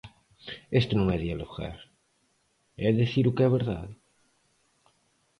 Isto non é dialogar, é dicir o que é verdade.